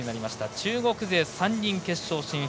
中国勢３人決勝進出。